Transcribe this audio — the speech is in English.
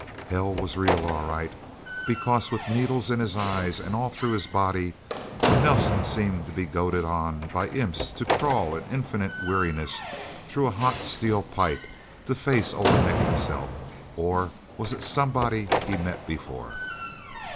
Hell was real, all right, because, with needles in his eyes and all through his body, Nelsen seemed to be goaded on by imps to crawl, in infinite weariness, through a hot steel pipe, to face Old Nick himself or was it somebody he'd met before?